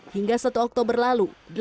hingga satu oktober lalu